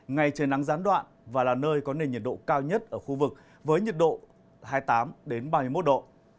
ngày trời nắng gián đoạn và là nơi có nền nhiệt độ cao nhất ở khu vực với nhiệt độ hai mươi tám ba mươi một độ